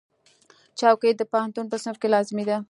چوکۍ د پوهنتون په صنف کې لازمي ده.